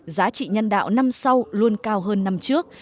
giá trị nhân đạo năm sau luôn cao hơn năm trước